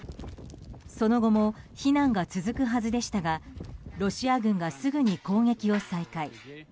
その後も避難が続くはずでしたがロシア軍がすぐに攻撃を再開。